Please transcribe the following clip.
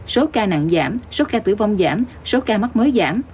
số ca nặng giảm số ca tử vong giảm số ca mắc mới giảm